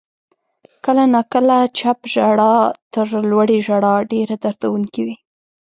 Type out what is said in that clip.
• کله ناکله چپ ژړا تر لوړې ژړا ډېره دردونکې وي.